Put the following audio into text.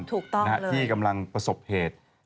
ถูกต้องเลยใช่ค่ะอย่างนี้กำลังประสบเพศ